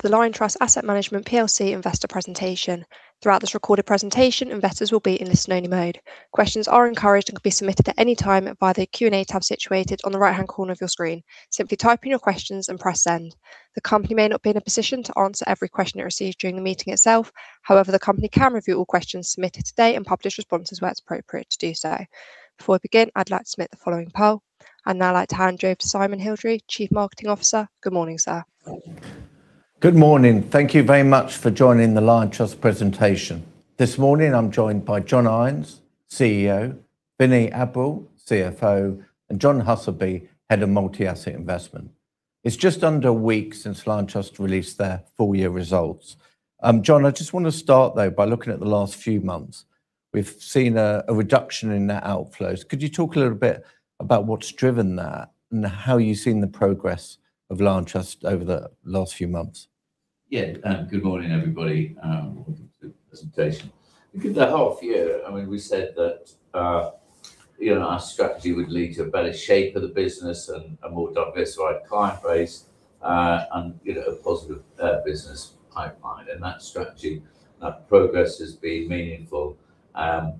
To the Liontrust Asset Management PLC investor presentation. Throughout this recorded presentation, investors will be in listen only mode. Questions are encouraged and can be submitted at any time via the Q&A tab situated on the right-hand corner of your screen. Simply type in your questions and press send. The company may not be in a position to answer every question it receives during the meeting itself. However, the company can review all questions submitted today and publish responses where it's appropriate to do so. Before we begin, I'd like to submit the following poll. I'd now like to hand you over to Simon Hildrey, Chief Marketing Officer. Good morning, sir. Good morning. Thank you very much for joining the Liontrust presentation. This morning, I'm joined by John Ions, CEO, Vinay Abrol, CFO, and John Husselbee, Head of Multi-Asset Investment. It's just under a week since Liontrust released their full year results. John, I just want to start though, by looking at the last few months. We've seen a reduction in net outflows. Could you talk a little bit about what's driven that and how you've seen the progress of Liontrust over the last few months? Yeah. Good morning, everybody. Welcome to the presentation. Looking at the half year, we said that our strategy would lead to a better shape of the business and a more diversified client base, and a positive business pipeline. That strategy and that progress has been meaningful and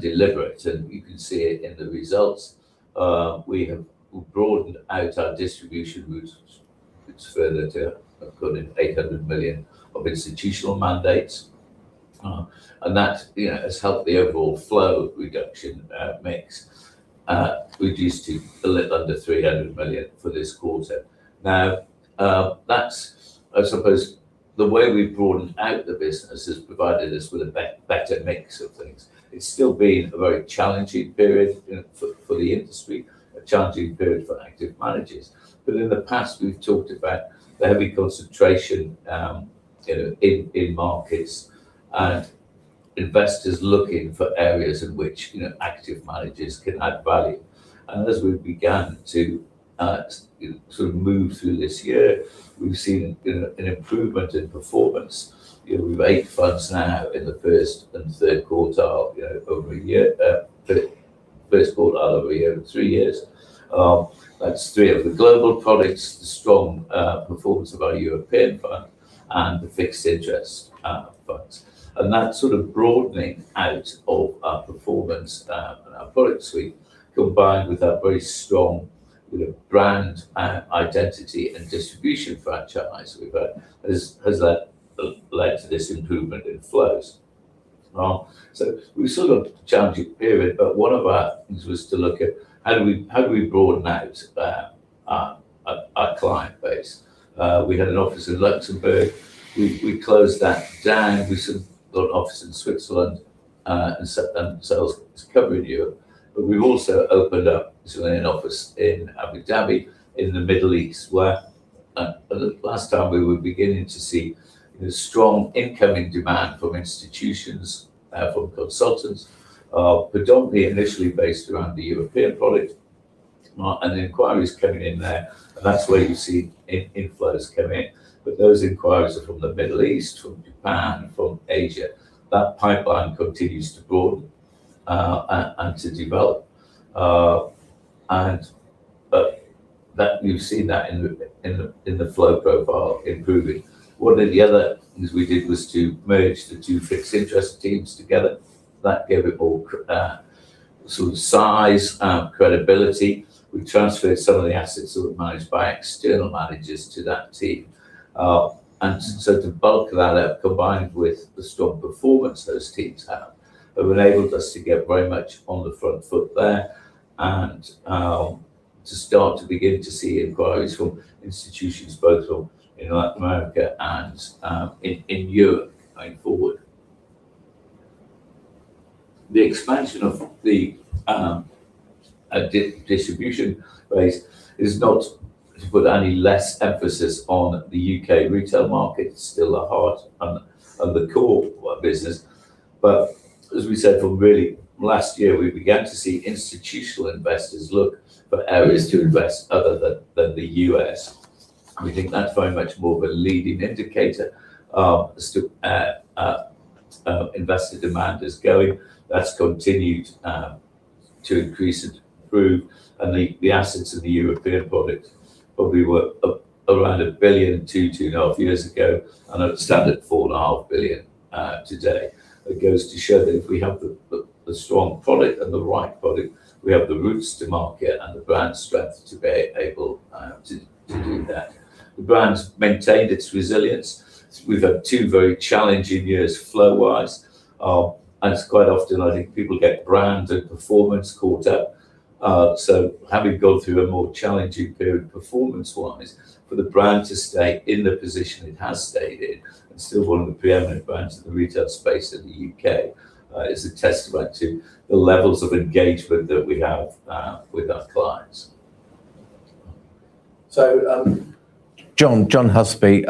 deliberate, and you can see it in the results. We have broadened out our distribution roots further to according to 800 million of institutional mandates. That has helped the overall flow reduction mix, reduced to a little under 300 million for this quarter. I suppose the way we've broadened out the business has provided us with a better mix of things. It's still been a very challenging period for the industry, a challenging period for active managers. In the past, we've talked about the heavy concentration in markets and investors looking for areas in which active managers can add value. As we've begun to move through this year, we've seen an improvement in performance. We've eight funds now in the first and third quarter over a year. First quarter over a year, three years. That's three of the global products, the strong performance of our European fund and the fixed interest funds. That broadening out of our performance and our product suite combined with our very strong brand identity and distribution franchise we've earned, has led to this improvement in flows. We've still got a challenging period, but one of our things was to look at how do we broaden out our client base. We had an office in Luxembourg. We closed that down. We set up an office in Switzerland, and set them sales covering Europe. We've also opened up an office in Abu Dhabi, in the Middle East, where last time we were beginning to see strong incoming demand from institutions, from consultants, predominantly initially based around the European product and the inquiries coming in there. That's where you see inflows coming in. Those inquiries are from the Middle East, from Japan, from Asia. That pipeline continues to broaden and to develop. You've seen that in the flow profile improving. One of the other things we did was to merge the two fixed interest teams together. That gave it all size and credibility. We transferred some of the assets that were managed by external managers to that team. The bulk of that, combined with the strong performance those teams have enabled us to get very much on the front foot there and to start to begin to see inquiries from institutions both in Latin America and in Europe going forward. The expansion of the distribution base is not to put any less emphasis on the U.K. retail market. It's still the heart and the core of our business. As we said, from really last year, we began to see institutional investors look for areas to invest other than the U.S. We think that's very much more of a leading indicator as to where investor demand is going. That's continued to increase and improve and the assets of the European product probably were up around one billion two and a half years ago. I would stand at four and a half billion today. It goes to show that if we have the strong product and the right product, we have the roots to market and the brand strength to be able to do that. The brand's maintained its resilience. We've had two very challenging years flow wise. It's quite often I think people get brand and performance caught up. Having gone through a more challenging period performance wise for the brand to stay in the position it has stayed in, and still one of the preeminent brands in the retail space in the U.K., is a testament to the levels of engagement that we have with our clients. John Husselbee,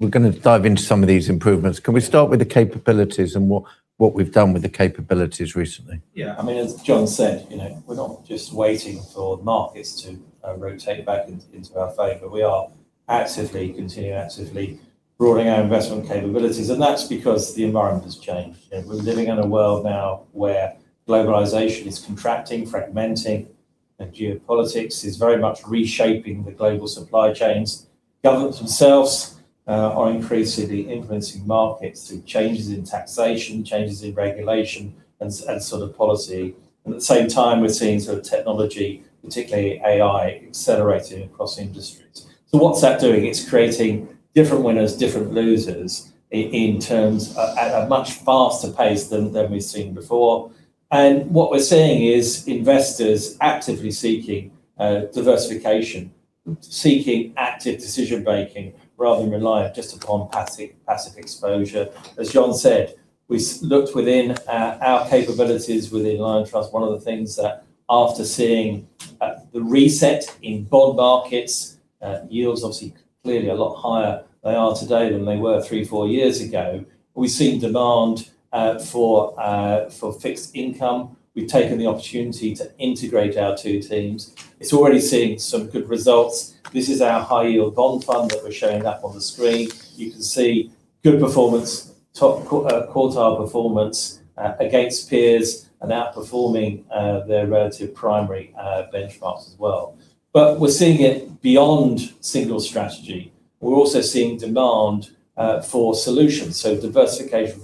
we're going to dive into some of these improvements. Can we start with the capabilities and what we've done with the capabilities recently? Yeah. As John said, we're not just waiting for markets to rotate back into our favor. We are actively continuing, actively broadening our investment capabilities, and that's because the environment has changed. We're living in a world now where globalization is contracting, fragmenting, and geopolitics is very much reshaping the global supply chains. Governments themselves are increasingly influencing markets through changes in taxation, changes in regulation, and policy. At the same time, we're seeing technology, particularly AI, accelerating across industries. What's that doing? It's creating different winners, different losers, at a much faster pace than we've seen before. What we're seeing is investors actively seeking diversification, seeking active decision-making rather than relying just upon passive exposure. As John said, we looked within our capabilities within Liontrust. One of the things that after seeing the reset in bond markets, yields obviously clearly a lot higher they are today than they were three, four years ago. We've seen demand for fixed income. We've taken the opportunity to integrate our two teams. It's already seeing some good results. This is our High Yield Bond Fund that we're showing up on the screen. You can see good performance, top quartile performance against peers and outperforming their relative primary benchmarks as well. We're seeing it beyond single strategy. We're also seeing demand for solutions, so diversification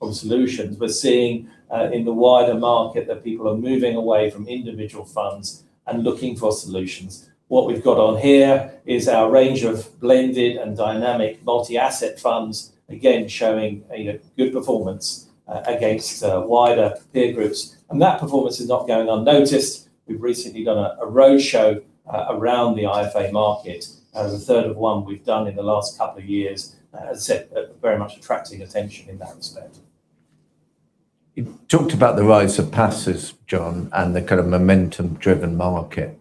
of solutions. We're seeing in the wider market that people are moving away from individual funds and looking for solutions. What we've got on here is our range of blended and dynamic multi-asset funds, again, showing a good performance against wider peer groups. That performance is not going unnoticed. We've recently done a roadshow around the IFA market as a third of one we've done in the last couple of years. As I said, very much attracting attention in that respect. You talked about the rise of passives, John, and the momentum-driven market.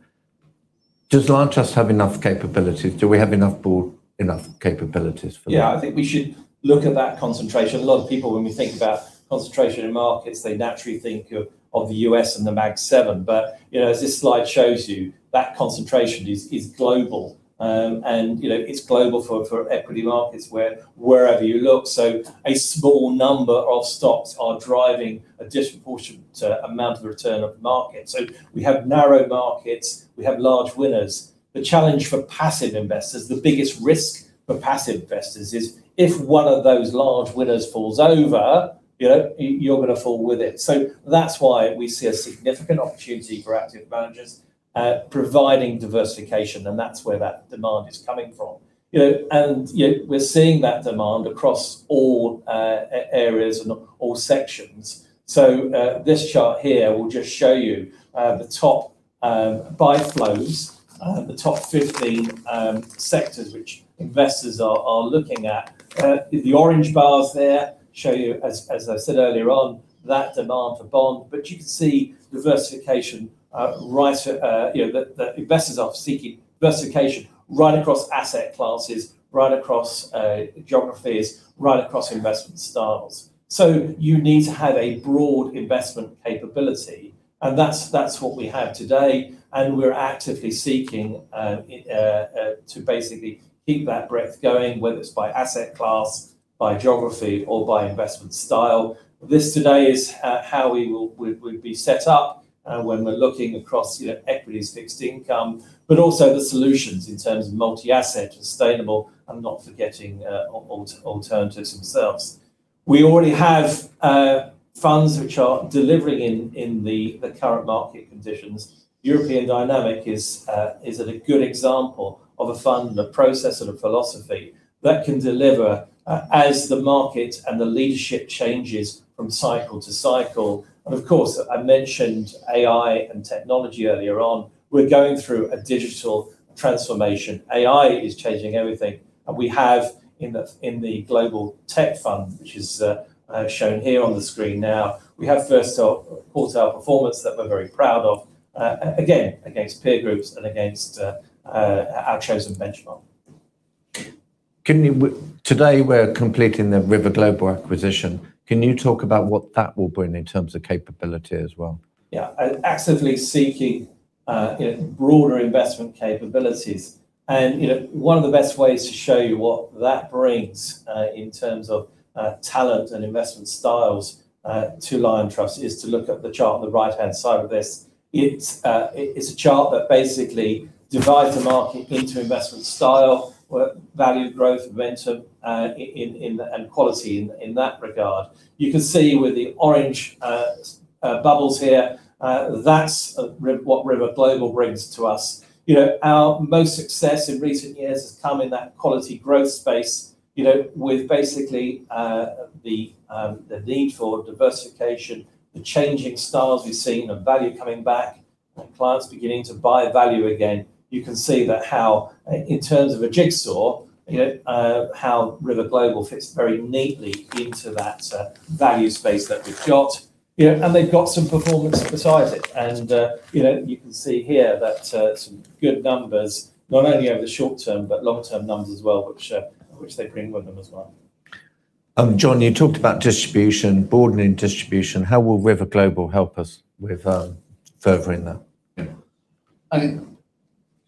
Does Liontrust have enough capabilities? Do we have enough board, enough capabilities for that? I think we should look at that concentration. A lot of people, when we think about concentration in markets, they naturally think of the U.S. and the Magnificent Seven. As this slide shows you, that concentration is global. It's global for equity markets wherever you look. A small number of stocks are driving a disproportionate amount of the return of the market. We have narrow markets, we have large winners. The challenge for passive investors, the biggest risk for passive investors is if one of those large winners falls over, you're going to fall with it. That's why we see a significant opportunity for active managers providing diversification, and that's where that demand is coming from. We're seeing that demand across all areas and all sections. This chart here will just show you the top buy flows, the top 15 sectors which investors are looking at. The orange bars there show you, as I said earlier on, that demand for bond. You can see diversification that investors are seeking, diversification right across asset classes, right across geographies, right across investment styles. You need to have a broad investment capability, and that's what we have today. We're actively seeking to basically keep that breadth going, whether it's by asset class, by geography, or by investment style. This today is how we'd be set up when we're looking across equities, fixed income. Also the solutions in terms of multi-asset, sustainable, and not forgetting alternatives themselves. We already have funds which are delivering in the current market conditions. European Dynamic is a good example of a fund and a process and a philosophy that can deliver as the market and the leadership changes from cycle to cycle. Of course, I mentioned AI and technology earlier on. We're going through a digital transformation. AI is changing everything. We have in the Global Tech Fund, which is shown here on the screen now, we have first quartile performance that we're very proud of, again, against peer groups and against our chosen benchmark. Today, we're completing the River Global acquisition. Can you talk about what that will bring in terms of capability as well? Actively seeking broader investment capabilities. One of the best ways to show you what that brings in terms of talent and investment styles to Liontrust is to look at the chart on the right-hand side of this. It's a chart that basically divides the market into investment style, value, growth, momentum, and quality in that regard. You can see with the orange bubbles here, that's what River Global brings to us. Our most success in recent years has come in that quality growth space, with basically the need for diversification, the changing styles we've seen of value coming back, and clients beginning to buy value again. You can see that how, in terms of a jigsaw, how River Global fits very neatly into that value space that we've got. They've got some performance besides it. You can see here some good numbers, not only over the short term, but long-term numbers as well, which they bring with them as well. John, you talked about distribution, broadening distribution. How will River Global help us with furthering that?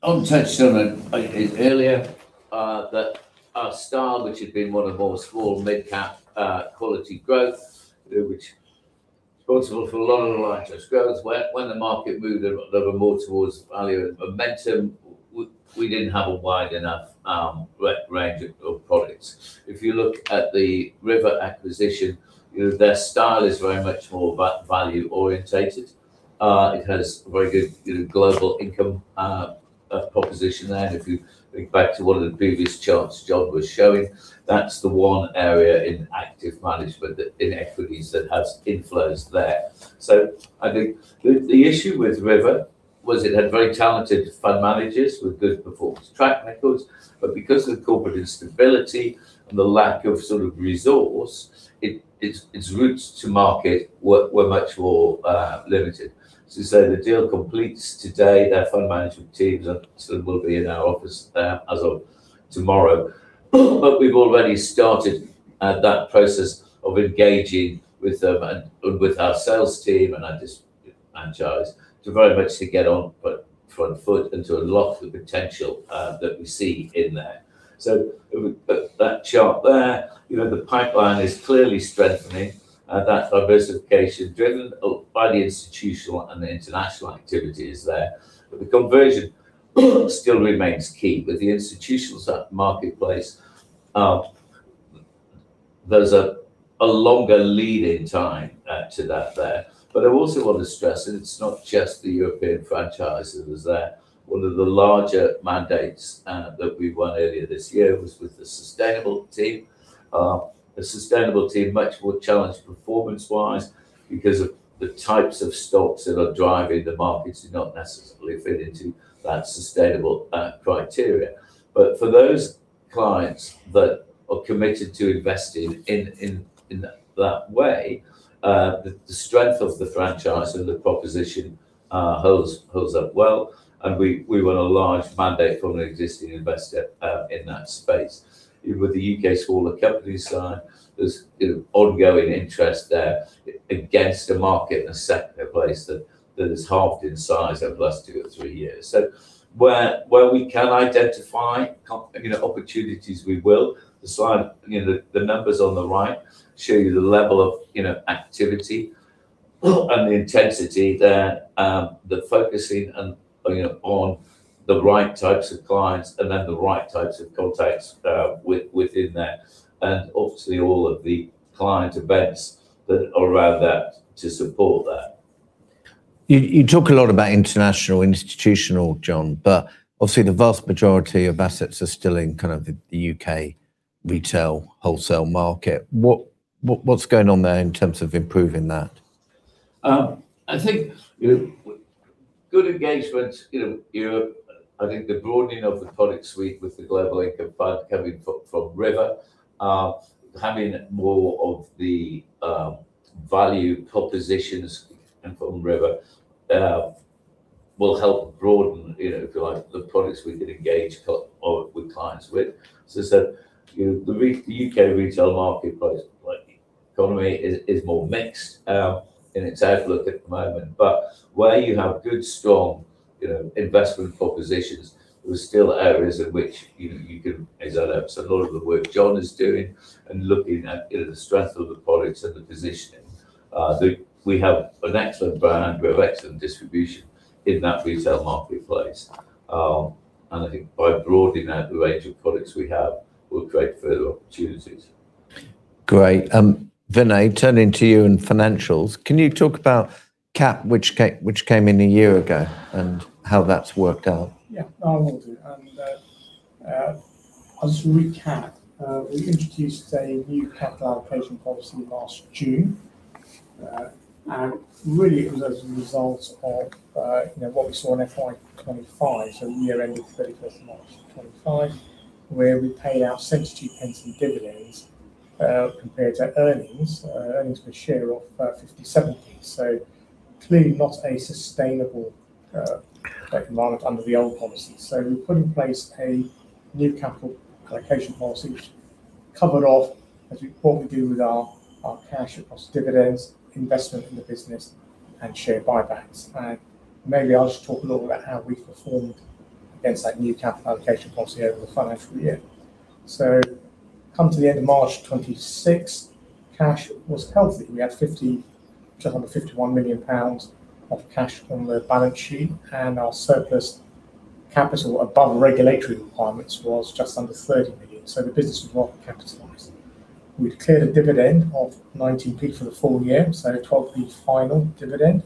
I think I've touched on it earlier, that our style, which had been more of a small mid-cap quality growth, which is responsible for a lot of the Liontrust growth. When the market moved a little more towards value and momentum, we didn't have a wide enough range of products. If you look at the River acquisition, their style is very much more value orientated. It has a very good global income proposition there. If you think back to one of the previous charts John was showing, that's the one area in active management in equities that has inflows there. I think the issue with River was it had very talented fund managers with good performance track records, but because of the corporate instability and the lack of resource, its routes to market were much more limited. As I say, the deal completes today. Their fund management teams will be in our office there as of tomorrow. We've already started that process of engaging with them and with our sales team and our distributors and franchisees to very much to get on front foot and to unlock the potential that we see in there. That chart there, the pipeline is clearly strengthening and that diversification driven by the institutional and the international activities there. The conversion still remains key. With the institutional marketplace, there's a longer leading time to that there. I also want to stress that it's not just the European franchise that was there. One of the larger mandates that we won earlier this year was with the sustainable team. The sustainable team, much more challenged performance-wise because of the types of stocks that are driving the markets do not necessarily fit into that sustainable criteria. For those clients that are committed to investing in that way, the strength of the franchise and the proposition holds up well, and we won a large mandate from an existing investor in that space. With the U.K. smaller companies side, there's ongoing interest there against a market and a sector place that has halved in size over the last two or three years. Where we can identify opportunities, we will. The numbers on the right show you the level of activity and the intensity there, the focusing on the right types of clients and then the right types of contacts within there. Obviously all of the client events that are around there to support that. You talk a lot about international, institutional, John, obviously the vast majority of assets are still in the U.K. retail, wholesale market. What's going on there in terms of improving that? I think good engagement in Europe, I think the broadening of the product suite with the Global Income Fund coming from River, having more of the value propositions coming from River will help broaden, if you like, the products we can engage more with clients with. As I said, the U.K. retail marketplace, like the economy, is more mixed in its outlook at the moment. Where you have good, strong investment propositions, there are still areas in which you can, as I say, a lot of the work John is doing and looking at the strength of the products and the positioning. We have an excellent brand. We have excellent distribution in that retail marketplace. I think by broadening our range of products we have, we'll create further opportunities. Great. Vinay, turning to you and financials. Can you talk about CAP, which came in a year ago and how that's worked out? Yeah. I will do. As a recap, we introduced a new capital allocation policy last June. Really, it was as a result of what we saw in FY 2025, so year ending 31st of March 2025, where we paid out 0.72 in dividends, compared to earnings per share of 0.57. Clearly not a sustainable environment under the old policy. We put in place a new capital allocation policy, which covered off, as we normally do, with our cash across dividends, investment in the business and share buybacks. Maybe I'll just talk a little about how we've performed against that new capital allocation policy over the financial year. Come to the end of March 2026, cash was healthy. We had 50 million-151 million pounds of cash on the balance sheet, and our surplus capital above regulatory requirements was just under 30 million. The business was well capitalized. We declared a dividend of 0.19 for the full year, so a 0.12 final dividend,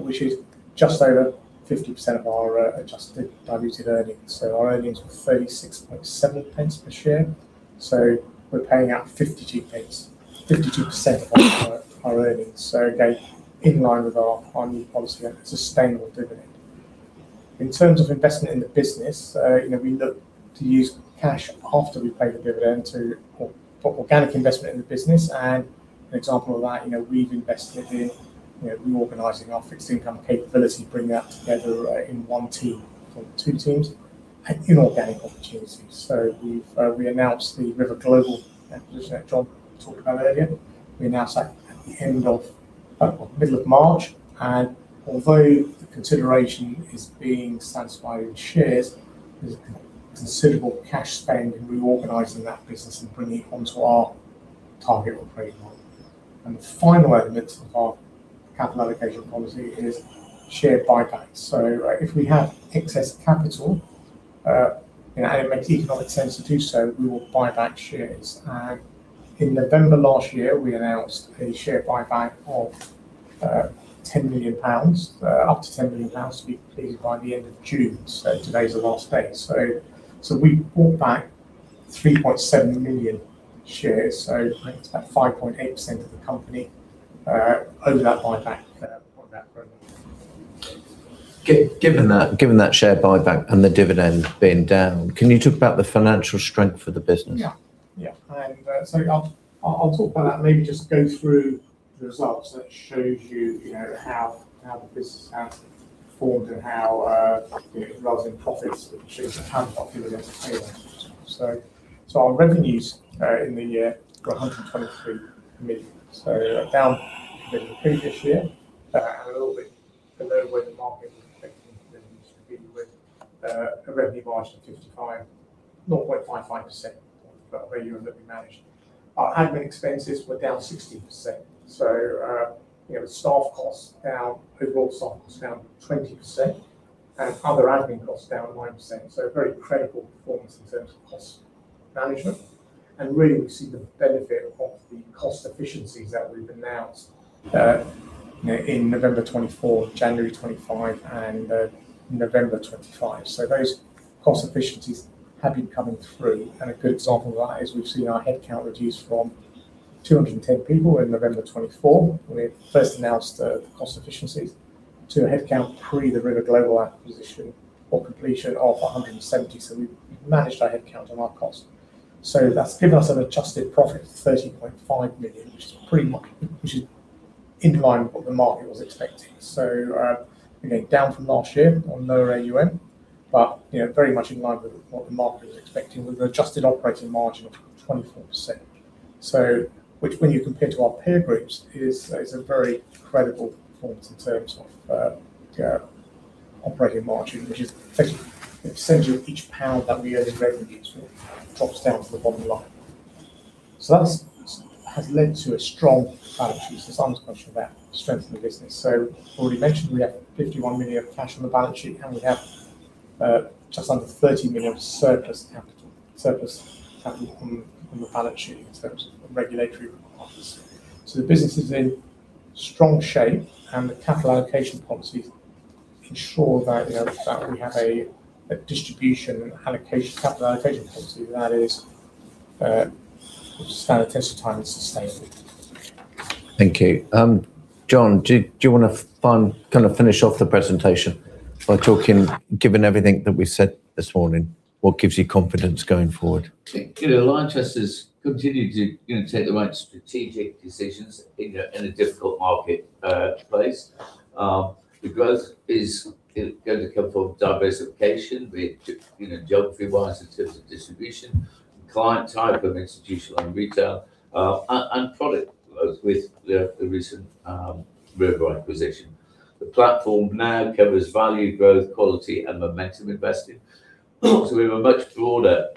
which is just over 50% of our adjusted diluted earnings. Our earnings were 0.367 per share. We're paying out 52% of our earnings. Again, in line with our new policy and a sustainable dividend. In terms of investment in the business, we look to use cash after we pay the dividend to put organic investment in the business. An example of that, we've invested in reorganizing our fixed income capability to bring that together in one team from two teams. Inorganic opportunities. We announced the River Global acquisition that John talked about earlier. We announced that at the middle of March. Although the consideration is being satisfied with shares, there's a considerable cash spend in reorganizing that business and bringing it onto our target operating model. The final element of our capital allocation policy is share buybacks. If we have excess capital and it makes economic sense to do so, we will buy back shares. In November last year, we announced a share buyback of up to 10 million pounds to be completed by the end of June. Today's the last day. We bought back 3.7 million shares, I think it's about 5.8% of the company over that buyback on that program. Given that share buyback and the dividend being down, can you talk about the financial strength for the business? Yeah. I'll talk about that and maybe just go through the results that shows you how the business has performed and how it rises in profits, which is how popular they are. Our revenues in the year got 123 million. Down a bit from previous year and a little bit below where the market was expecting revenues to be with a revenue margin 0.55% above where you and that we managed. Our admin expenses were down 16%. Staff costs down, overall staff costs down 20% and other admin costs down 9%. A very credible performance in terms of cost management. Really we see the benefit of the cost efficiencies that we've announced in November 2024, January 2025, and November 2025. Those cost efficiencies have been coming through. A good example of that is we've seen our headcount reduce from 210 people in November 2024 when we first announced the cost efficiencies to a headcount pre the River Global acquisition or completion of 170. We've managed our headcount and our costs. That's given us an adjusted profit of 30.5 million, which is in line with what the market was expecting. Again, down from last year on lower AuMA, but very much in line with what the market was expecting with an adjusted operating margin of 24%. Which when you compare to our peer groups is a very credible performance in terms of operating margin, which is effectively each GBP that we earn in revenues drops down to the bottom line. That has led to a strong balance sheet. Simon's question about strengthening the business. I've already mentioned we have 51 million of cash on the balance sheet, and we have just under 30 million of surplus capital on the balance sheet in terms of regulatory requirements. The business is in strong shape and the capital allocation policy ensures that we have a distribution capital allocation policy that will stand the test of time and is sustainable. Thank you. John, do you want to finish off the presentation by talking, given everything that we've said this morning, what gives you confidence going forward? Liontrust has continued to take the right strategic decisions in a difficult marketplace. The growth is going to come from diversification, be it geography-wise in terms of distribution and client type of institutional and retail, and product growth with the recent River acquisition. The platform now covers value, growth, quality and momentum investing. We have a much broader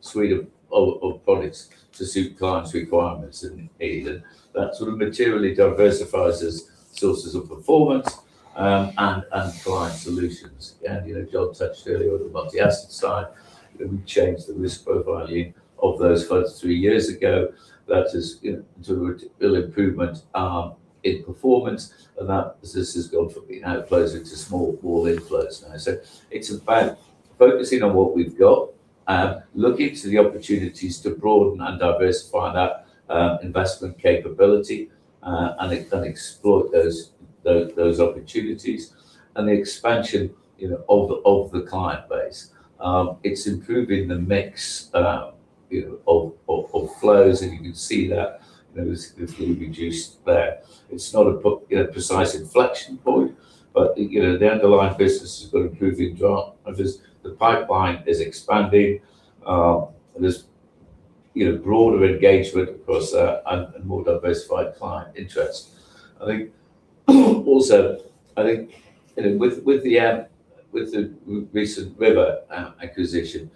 suite of products to suit clients' requirements and need. That sort of materially diversifies as sources of performance, and client solutions. John touched earlier on the multi-asset side, that we've changed the risk profiling of those flows three years ago. That has led to real improvement in performance and that business has gone from being outflows into small inflows now. It's about focusing on what we've got, looking to the opportunities to broaden and diversify that investment capability, and then exploit those opportunities, and the expansion of the client base. It's improving the mix of flows, and you can see that has significantly reduced there. It's not a precise inflection point, but the underlying business has got improving drivers. The pipeline is expanding. There's broader engagement across and more diversified client interests. I think also with the recent River acquisition,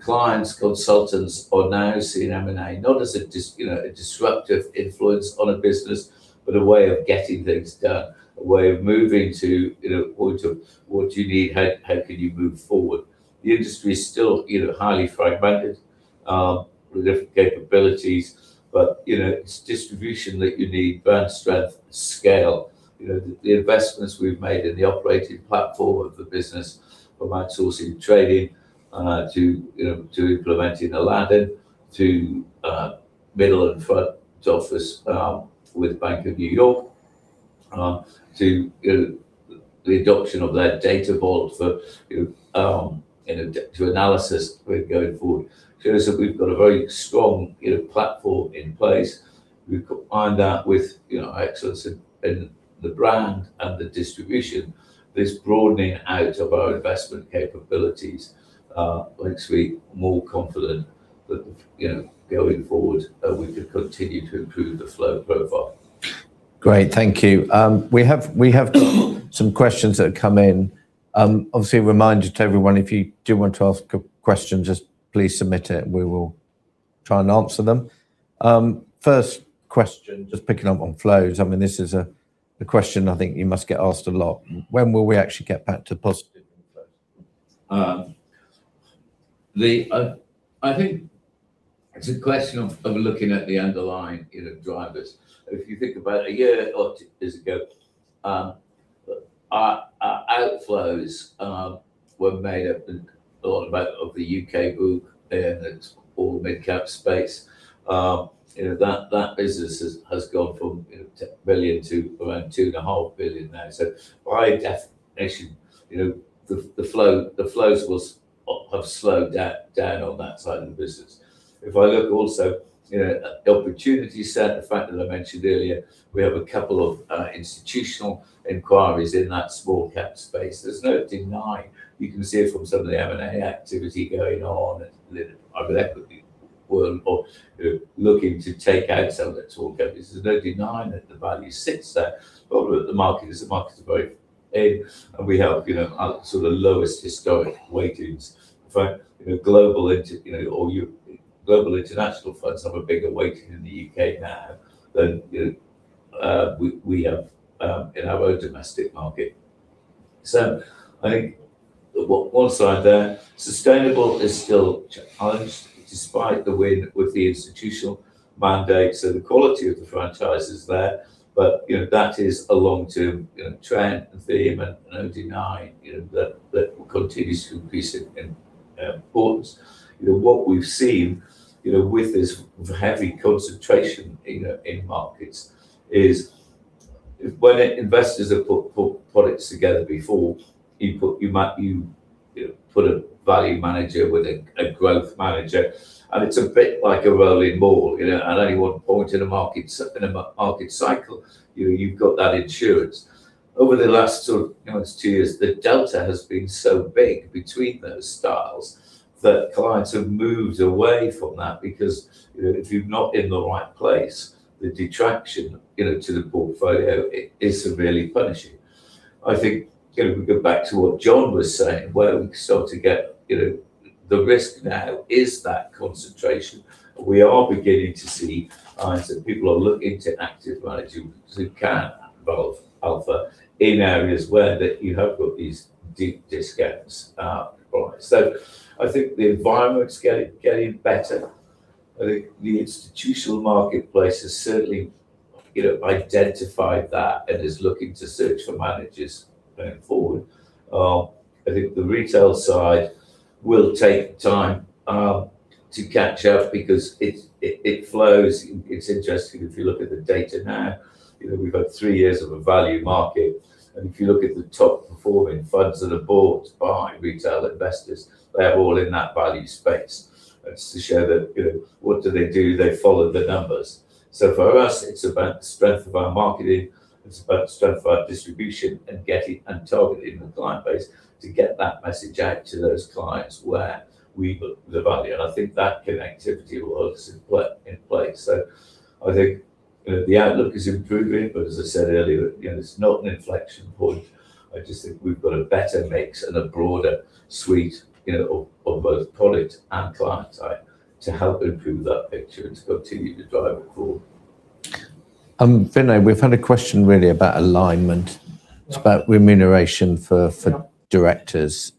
clients, consultants are now seeing M&A not as a disruptive influence on a business, but a way of getting things done, a way of moving to what do you need, how can you move forward? The industry is still highly fragmented, with different capabilities, but it's distribution that you need, breadth, strength, scale. The investments we've made in the operating platform of the business, from outsourcing trading, to implementing Aladdin, to middle and front office, with Bank of New York, to the adoption of their Data Vault for analysis going forward. We've got a very strong platform in place. We combine that with excellence in the brand and the distribution. This broadening out of our investment capabilities makes me more confident that, going forward, we can continue to improve the flow profile. Great. Thank you. We have some questions that have come in. Obviously, a reminder to everyone, if you do want to ask a question, just please submit it and we will try and answer them. First question, just picking up on flows. This is a question I think you must get asked a lot. When will we actually get back to positive inflows? I think it's a question of looking at the underlying drivers. If you think about a year or two years ago, our outflows were made up a lot of the U.K. book in the small mid-cap space. That business has gone from 1 billion to around 2.5 billion now. By definition, the flows have slowed down on that side of the business. If I look also at the opportunity set, the fact that I mentioned earlier, we have a couple of institutional inquiries in that small cap space. There's no denying, you can see it from some of the M&A activity going on in the private equity world, or looking to take out some of the small cap business. There's no denying that the value sits there. The problem is the market is very thin and we have the lowest historic weightings. Global international funds have a bigger weighting in the U.K. now than we have in our own domestic market. I think one side there, sustainable is still challenged despite the win with the institutional mandate. The quality of the franchise is there, but that is a long-term trend and theme and no denying that that continues to increase in importance. What we've seen with this heavy concentration in markets is when investors have put products together before, you put a value manager with a growth manager, and it's a bit like a rolling ball. At any one point in a market cycle, you've got that insurance. Over the last two years, the delta has been so big between those styles that clients have moved away from that because if you're not in the right place, the detraction to the portfolio is severely punishing. I think if we go back to what John was saying, where we start to get the risk now is that concentration. We are beginning to see clients and people are looking to active managers who can add both alpha in areas where you have got these deep discounts on price. I think the environment's getting better. I think the institutional marketplace has certainly identified that and is looking to search for managers going forward. I think the retail side will take time to catch up because it flows. It's interesting, if you look at the data now, we've had three years of a value market, and if you look at the top-performing funds that are bought by retail investors, they're all in that value space. It's to show that what do they do? They follow the numbers. For us, it's about the strength of our marketing, it's about the strength of our distribution and targeting the client base to get that message out to those clients where we put the value. I think that connectivity works in place. I think the outlook is improving, but as I said earlier, it's not an inflection point. I just think we've got a better mix and a broader suite of both product and client type to help improve that picture and to continue to drive growth. Vinay, we've had a question really about alignment. It's about remuneration for directors,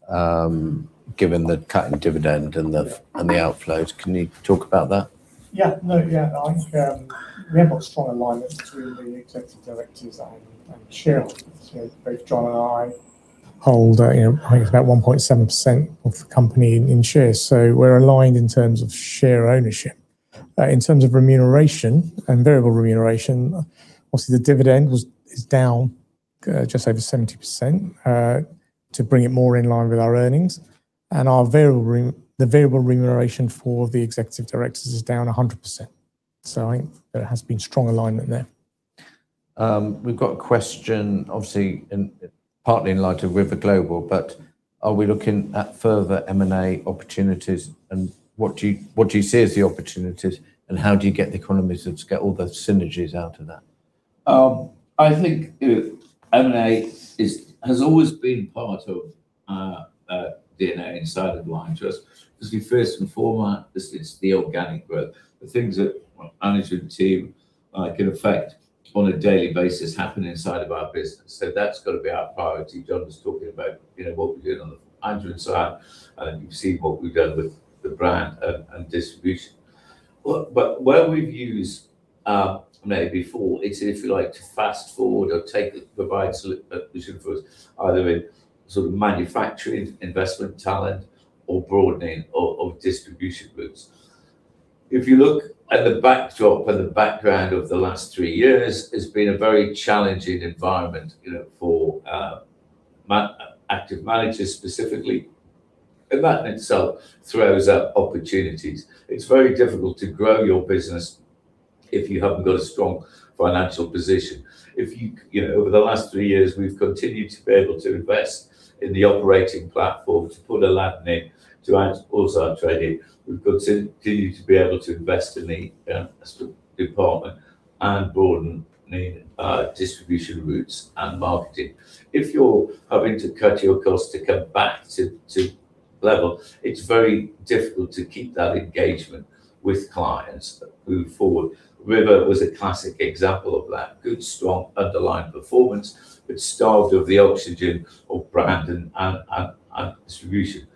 given the cut in dividend and the outflows. Can you talk about that? I think we have much stronger alignment between the executive directors and shareholders. Both John and I hold, I think it's about 1.7% of the company in shares. We're aligned in terms of share ownership. In terms of remuneration and variable remuneration, obviously the dividend is down just over 70% to bring it more in line with our earnings, and the variable remuneration for the executive directors is down 100%. I think there has been strong alignment there. We've got a question, obviously partly in light of River Global, are we looking at further M&A opportunities and what do you see as the opportunities and how do you get the economies to get all the synergies out of that? I think M&A has always been part of DNA inside of Liontrust, because first and foremost, this is the organic growth, the things that management team can affect on a daily basis happen inside of our business. That's got to be our priority. John was talking about what we're doing on the front end side, and you've seen what we've done with the brand and distribution. Where we've used M&A before, it's if we like to fast-forward or provide solution for us, either in sort of manufacturing investment talent or broadening of distribution groups. If you look at the backdrop and the background of the last three years, it's been a very challenging environment for active managers specifically. That in itself throws up opportunities. It's very difficult to grow your business if you haven't got a strong financial position. Over the last three years, we've continued to be able to invest in the operating platform to put a landing to our wholesale trading. We've continued to be able to invest in the customer department and broaden the distribution routes and marketing. If you're having to cut your costs to come back to level, it's very difficult to keep that engagement with clients that move forward. River was a classic example of that. Good, strong underlying performance, but starved of the oxygen of brand and distribution.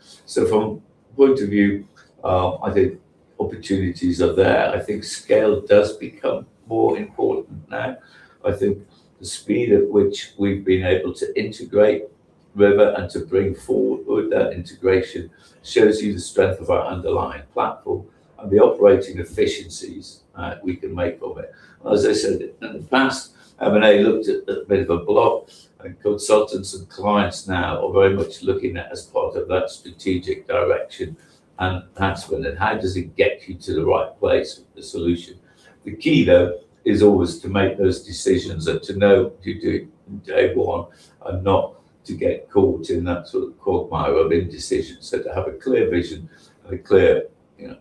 From point of view, I think opportunities are there. I think scale does become more important now. I think the speed at which we've been able to integrate River and to bring forward that integration shows you the strength of our underlying platform and the operating efficiencies we can make of it. As I said, in the past, M&A looked at a bit of a block. Consultants and clients now are very much looking at it as part of that strategic direction and path. How does it get you to the right place with the solution? The key, though, is always to make those decisions and to know to do it from day one and not to get caught in that sort of quagmire of indecision. To have a clear vision and a clear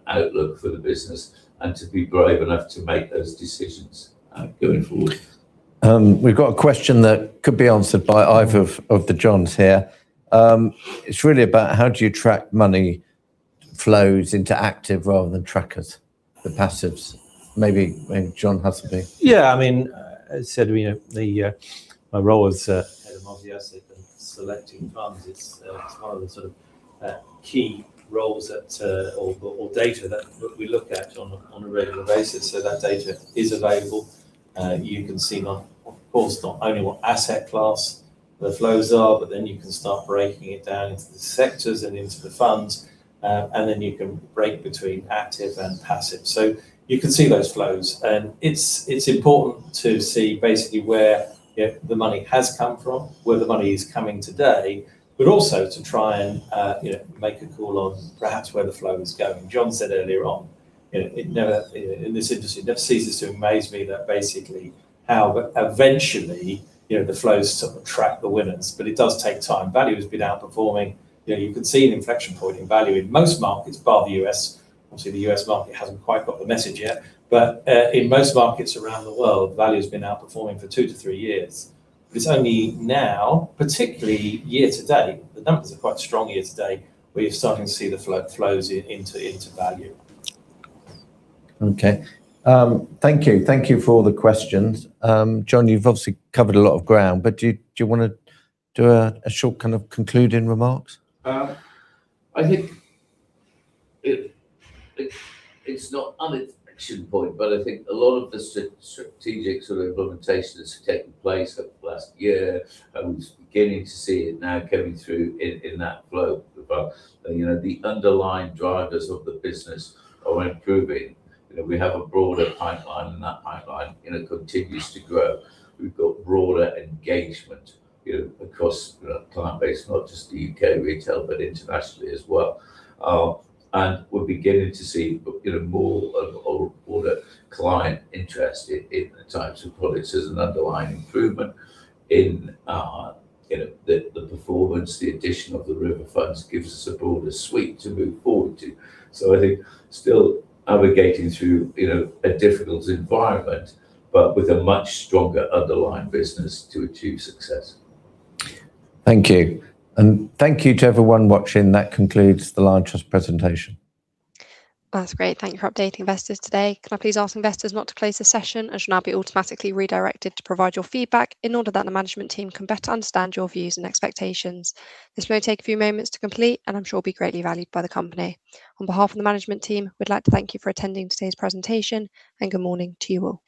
outlook for the business and to be brave enough to make those decisions going forward. We've got a question that could be answered by either of the Johns here. It's really about how do you track money flows into active rather than trackers, the passives. Maybe John Husselbee. Yeah. As I said, my role as head of multi-asset and selecting funds, it's one of the sort of key roles or data that we look at on a regular basis. That data is available. You can see of course, not only what asset class the flows are, you can start breaking it down into the sectors and into the funds, you can break between active and passive. You can see those flows, and it's important to see basically where the money has come from, where the money is coming today, but also to try and make a call on perhaps where the flow is going. John said earlier on, in this industry, it never ceases to amaze me that basically how eventually, the flows track the winners. It does take time. Value has been outperforming. You can see an inflection point in value in most markets bar the U.S. Obviously, the U.S. market hasn't quite got the message yet. In most markets around the world, value's been outperforming for two to three years. It's only now, particularly year to date, the numbers are quite strong year to date, where you're starting to see the flows into value. Okay. Thank you. Thank you for all the questions. John, you've obviously covered a lot of ground, do you want to do a short concluding remarks? I think it's not on its inflection point, a lot of the strategic sort of implementation that's taken place over the last year, we're beginning to see it now coming through in that flow. The underlying drivers of the business are improving. We have a broader pipeline, that pipeline continues to grow. We've got broader engagement across the client base, not just the U.K. retail, internationally as well. We're beginning to see more of a broader client interest in the types of products. There's an underlying improvement in the performance. The addition of the River funds gives us a broader suite to move forward to. I think still navigating through a difficult environment, with a much stronger underlying business to achieve success. Thank you. Thank you to everyone watching. That concludes the Liontrust presentation. That's great. Thank you for updating investors today. Can I please ask investors not to close the session, as you'll now be automatically redirected to provide your feedback in order that the management team can better understand your views and expectations. This may take a few moments to complete and I'm sure will be greatly valued by the company. On behalf of the management team, we'd like to thank you for attending today's presentation and good morning to you all.